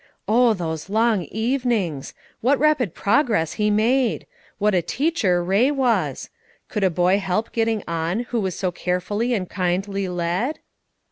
Oh, those long evenings! What rapid progress he made! what a teacher Ray was! Could a boy help getting on who was so carefully and kindly led?